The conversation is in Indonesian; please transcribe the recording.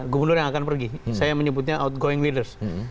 gubernur yang akan pergi saya menyebutnya outgoing leaders